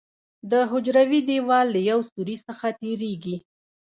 د حجروي دیوال له یو سوري څخه تېریږي.